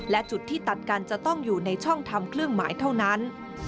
และจุดที่ตัดกันจะต้องอยู่ในช่องทำเครื่องหมายเท่านั้น